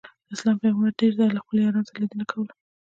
اسلام پیغمبر ډېر ځله له خپلو یارانو سره لیدنه کوله.